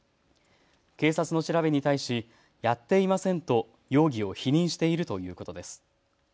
警察の調べに対しやっていませんと容疑を否認しているということです。